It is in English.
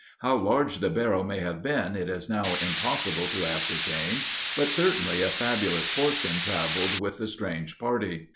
How large the barrel may have been it is now impossible to ascertain, but certainly a fabulous fortune traveled with the strange party.